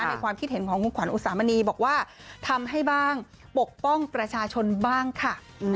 ความคิดเห็นของคุณขวัญอุสามณีบอกว่าทำให้บ้างปกป้องประชาชนบ้างค่ะ